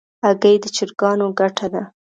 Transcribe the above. هګۍ د چرګانو ګټه ده.